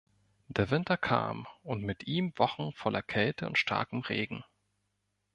Der Winter kam, und mit ihm Wochen voller Kälte und starkem Regen.